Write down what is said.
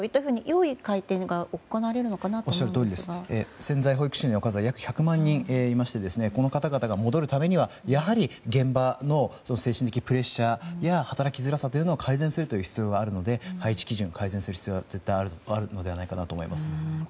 潜在保育士の数は約１００万人いましてこの方々が戻るためには現場の精神的プレッシャーや働きづらさというのを改善するという必要があるので配置基準を改善する必要は絶対あるのではないかなと思います。